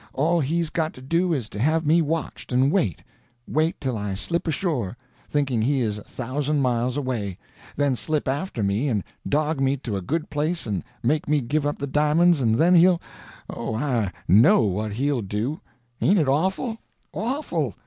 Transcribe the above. All he's got to do is to have me watched, and wait—wait till I slip ashore, thinking he is a thousand miles away, then slip after me and dog me to a good place and make me give up the di'monds, and then he'll—oh, I know what he'll do! Ain't it awful—awful!